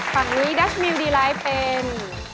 ฝั่งนี้ดัชมิวดีไลท์เป็น